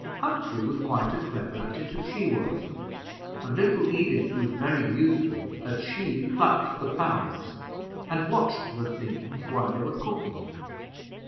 Humphrey was quite as clever at it as she was; and little Edith was very useful, as she plucked the fowls, and watched the things while they were cooking.